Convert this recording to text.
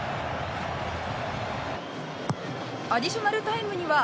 アディショナルタイムには。